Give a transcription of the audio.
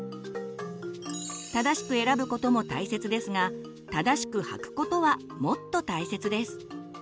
正しく選ぶことも大切ですが正しく履くことはもっと大切です。